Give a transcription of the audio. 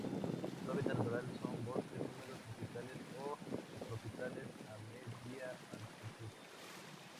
Su hábitat natural son bosques húmedos tropicales o subtropicales a media altitud.